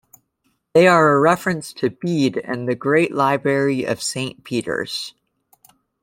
They are a reference to Bede and the "Great Library" of Saint Peter's.